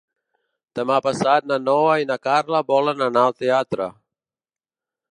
Demà passat na Noa i na Carla volen anar al teatre.